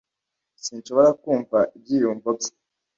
Sinshobora kumva ibyiyumvo bye.